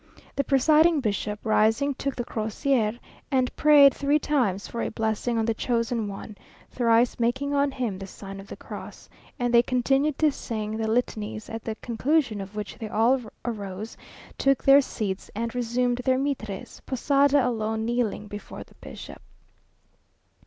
The presiding bishop, rising took the crosier, and prayed three times for a blessing on the Chosen One; thrice making on him the sign of the cross; and they continued to sing the Litanies; at the conclusion of which they all arose, took their seats and resumed their mitres, Posada alone kneeling before the bishop.